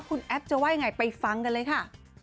คุณแอฟจะว่ายังไงไปฟังกันเลยค่ะ